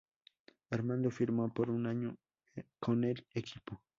Armando firmó por un año con el equipo.